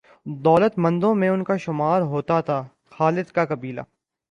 دولت مندوں میں ان کا شمار ہوتا تھا۔ خالد کا قبیلہ